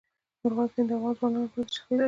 مورغاب سیند د افغان ځوانانو لپاره دلچسپي لري.